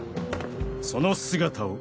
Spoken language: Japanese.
その姿を。